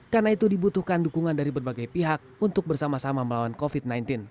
karena itu dibutuhkan dukungan dari berbagai pihak untuk bersama sama melawan covid sembilan belas